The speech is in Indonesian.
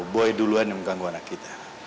boy duluan yang mengganggu anak kita